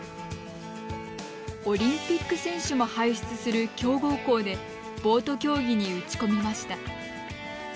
オリンピック選手も輩出する強豪校でボート競技に打ち込みました。